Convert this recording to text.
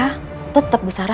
tetap bu sarah harus berhati hati